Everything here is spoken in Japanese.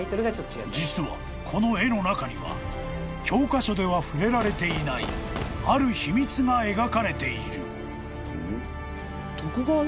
［実はこの絵の中には教科書では触れられていないある秘密が描かれている］